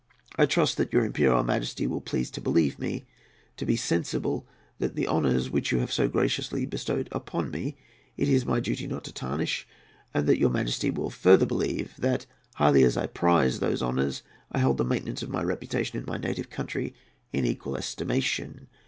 I trust that your Imperial Majesty will please to believe me to be sensible that the honours which you have so graciously bestowed upon me it is my duty not to tarnish, and that your Majesty will further believe that, highly as I prize those honours, I hold the maintenance of my reputation in my native country in equal estimation.